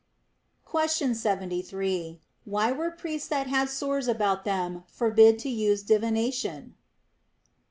Question 73. Why were priests that had sores about them forbid to use divination.